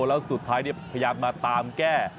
แล้วสุดท้ายพยายามมาตามแก้